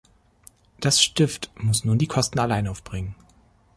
Das Stift musste nun die Kosten allein aufbringen.